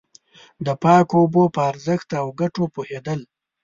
د پاکو اوبو په ارزښت او گټو پوهېدل.